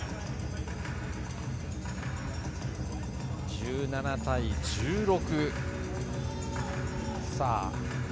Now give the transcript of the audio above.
１７対１６。